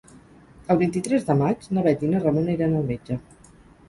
El vint-i-tres de maig na Bet i na Ramona iran al metge.